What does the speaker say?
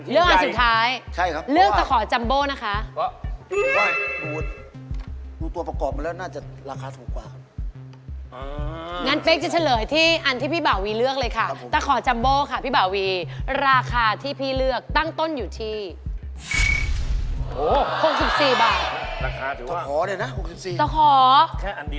เลือกอันที่ใหญ่ใช่ค่ะดูตัวประกอบแล้วน่าจะราคาสูงกว่า